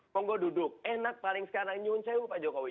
konggo duduk enak paling sekarang nyungun sewu pak jokowi